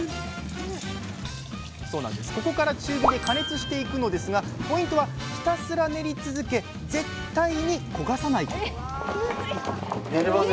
ここから中火で加熱していくのですがポイントはひたすら練り続け絶対に焦がさないことえムズ